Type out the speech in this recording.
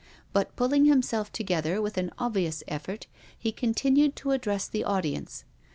But, pulling himself together with an obvious effort, he continued to address the audience.